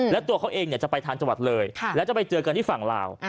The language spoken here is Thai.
แล้วตัวเขาเองจะไปทางจังหวัดเลยแล้วจะไปเจอกันที่ฝั่งลาว